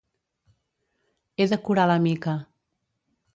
He de curar la Mica.